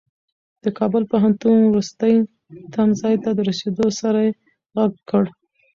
د کابل پوهنتون وروستي تمځای ته د رسېدو سره يې غږ کړ.